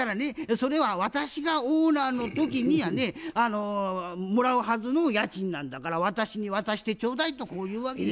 「それは私がオーナーの時にやねもらうはずの家賃なんだから私に渡してちょうだい」とこう言うわけよ。